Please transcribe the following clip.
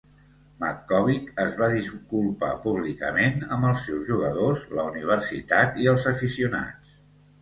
Mackovic es va disculpar públicament amb els seus jugadors, la universitat i els aficionats.